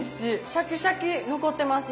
シャキシャキ残ってます。